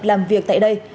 làm việc tại đây